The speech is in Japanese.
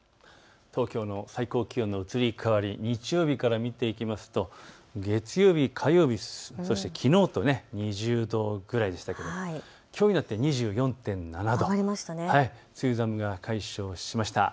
東京の最高気温の移り変わり、日曜日から見ていきますと月曜日、火曜日、そしてきのうと２０度くらいでしたけれどきょうになって２４．７度上がりましたね。